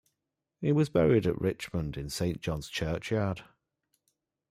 He was buried at Richmond in Saint John's churchyard.